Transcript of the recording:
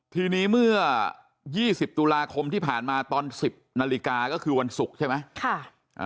ทีนี้เมื่อยี่สิบตุลาคมที่ผ่านมาตอนสิบนาฬิกาก็คือวันศุกร์ใช่ไหมค่ะอ่า